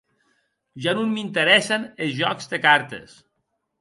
Ja non m'interèssen es jòcs de cartes.